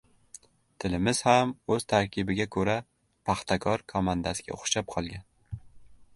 Tilimiz ham, o‘z tarkibiga ko‘ra, «Paxtakor» komandasiga o‘xshab qolgan.